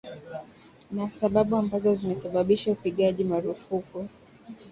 na sababu ambazo zimesababisha upigaji marufuku